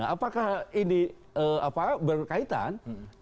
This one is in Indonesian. apakah ini berkaitan